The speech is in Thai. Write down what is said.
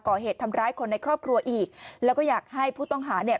ก่อเหตุทำร้ายคนในครอบครัวอีกแล้วก็อยากให้ผู้ต้องหาเนี่ย